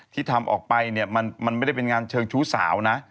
ที่ทำออกไปเนี่ยมันไม่ได้เป็นงานเชิงชู้สาวนะ